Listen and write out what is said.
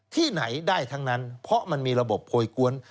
ที่ไหนได้ทั้งนั้นเพราะมันมีระบบโพยกวน